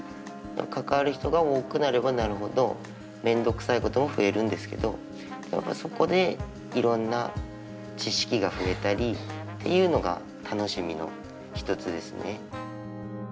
関わる人が多くなればなるほど面倒くさいことも増えるんですけどそこでいろんな知識が増えたりっていうのが楽しみの一つですね。